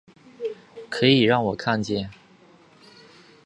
可以让我看见